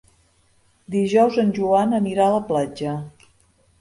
Dijous en Joan anirà a la platja.